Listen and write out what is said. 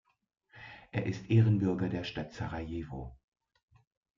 Er ist Ehrenbürger der Stadt Sarajevo.